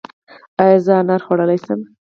ایا زه انار خوړلی شم؟